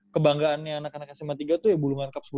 kebanggaannya anak anak sma tiga tuh ya bulungan cup